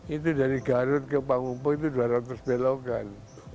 itu dari garut ke panggungpo itu dua ratus belokan